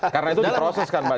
karena itu diproses kan pak